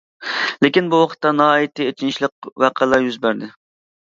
لېكىن بۇ ۋاقىتتا ناھايىتى ئېچىنىشلىق ۋەقەلەر يۈز بەردى.